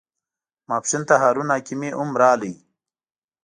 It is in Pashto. ماپښین ته هارون حکیمي هم راغی.